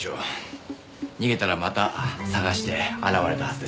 逃げたらまた捜して現れたはずです。